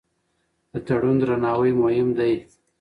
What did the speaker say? د تړون درناوی مهم دی.